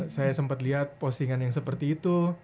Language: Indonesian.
saya sempat lihat postingan yang seperti itu